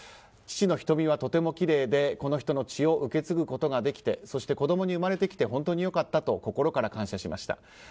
父の瞳はとてもきれいでこの人の血を受け継ぐことができてそして子供に生まれてきて本当に良かったと心から感謝しました。